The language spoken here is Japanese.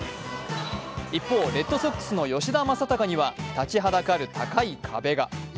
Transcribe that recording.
一方、レッドソックスの吉田正尚には、立ちはだかる高い壁が。